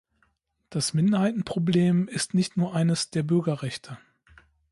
Das Minderheitenproblem ist nicht nur eines der Bürgerrechte.